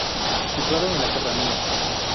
Situado en la serranía.